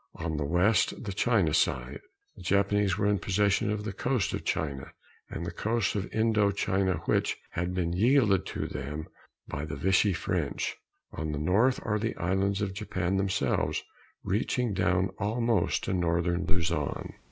On the west, the China side, the Japanese were in possession of the coast of China and the coast of Indo China which had been yielded to them by the Vichy French. On the North are the islands of Japan themselves, reaching down almost to northern Luzon.